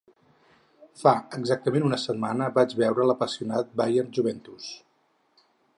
Fa exactament una setmana vaig veure l’apassionant Bayern–Juventus.